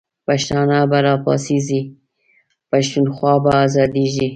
پښتانه به راپاڅیږی، پښتونخوا به آزادیږی